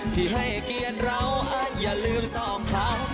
ที่ให้เกียรติเราอย่าลืมสองครั้ง